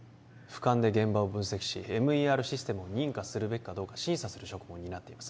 俯瞰で現場を分析しＭＥＲシステムを認可するべきかどうか審査する職務を担っています